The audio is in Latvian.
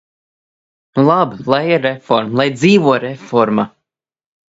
Nu labi, lai ir reforma, lai dzīvo reforma!